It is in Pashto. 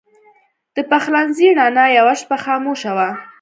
د پخلنځي رڼا یوه شپه خاموشه وه.